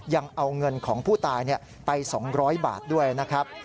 ยังเอาเงินของผู้ตายไป๒๐๐บาทด้วยนะครับ